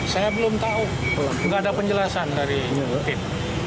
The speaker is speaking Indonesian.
saya belum tahu belum ada penjelasan dari tim